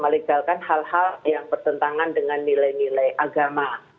melegalkan hal hal yang bertentangan dengan nilai nilai agama